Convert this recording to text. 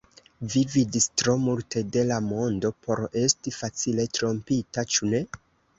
Vi vidis tro multe de la mondo por esti facile trompita; ĉu ne?